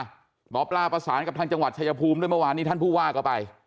หมอปลาประสานกับทางจังหวัดชายภูมิด้วยเมื่อวานนี้ท่านผู้ว่าก็ไป